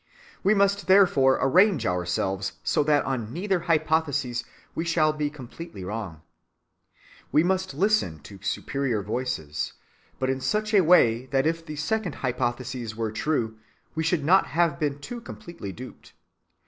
We must therefore arrange ourselves so that on neither hypothesis we shall be completely wrong. We must listen to the superior voices, but in such a way that if the second hypothesis were true we should not have been too completely duped.